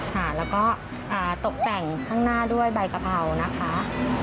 ค่ะแล้วก็ตกแต่งข้างหน้าด้วยใบกะเพรานะคะ